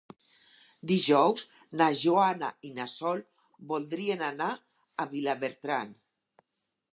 Dijous na Joana i na Sol voldrien anar a Vilabertran.